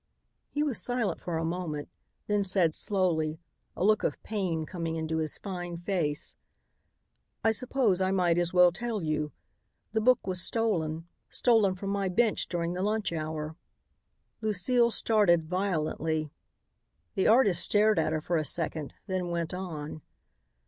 He was silent for a moment, then said slowly, a look of pain coming into his fine face, "I suppose I might as well tell you. The book was stolen, stolen from my bench during the lunch hour." Lucile started violently. The artist stared at her for a second, then went on.